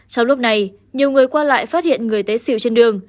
trong lúc này nhiều người qua lại phát hiện người té xỉu trên đường